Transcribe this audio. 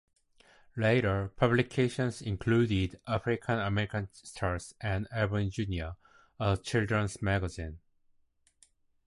Later publications included "African American Stars" and "Ebony Junior", a children's magazine.